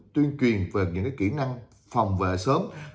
tuyên truyền về những kỹ năng phòng vệ sớm